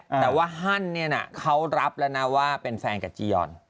แต่ว่าฮั่นเนี่ยนะเขารับแล้วนะว่าเป็นแฟนกับจียอน